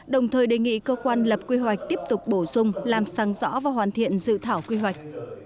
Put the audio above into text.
đồng thời đề nghị cơ quan lập quy hoạch tiếp tục bổ sung làm sáng rõ và hoàn thiện dự thảo quy hoạch